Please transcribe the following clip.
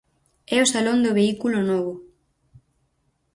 É o salón do vehículo novo.